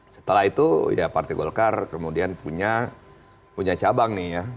setelah itu ya partai golkar kemudian punya cabang nih ya